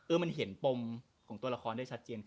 เออมันเห็นปมของตัวละครได้ชัดเจียนคุณ